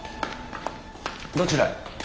どちらへ？